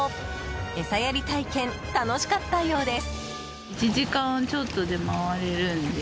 餌やり体験、楽しかったようです。